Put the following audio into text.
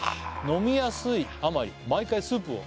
「飲みやすいあまり毎回スープを」